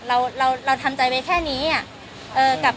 เราเราทำใจไว้แค่นี้อะ